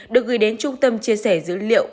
được gửi đến trung tâm chia sẻ dữ liệu